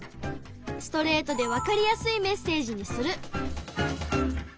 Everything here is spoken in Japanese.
ストレートでわかりやすいメッセージにする。